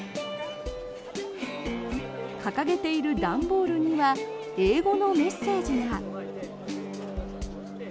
掲げている段ボールには英語のメッセージが。